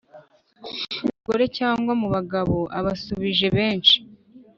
Bagore cyangwa mu bagabo abasubije benshi